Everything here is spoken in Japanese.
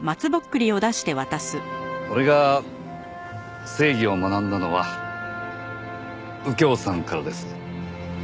俺が正義を学んだのは右京さんからです。